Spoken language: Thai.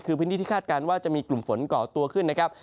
คือพื้นที่ที่คาดการณ์ว่าจะมีกลุ่มฝนก่อตัวขึ้นนะครับ